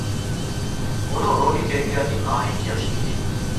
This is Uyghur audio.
ئۇنىڭ روھىي كەيپىياتى ناھايىتى ياخشى ئىدى.